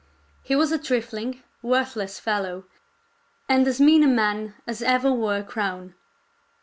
He was a trifling, worthless fellow, and as mean a man as ever wore a crown.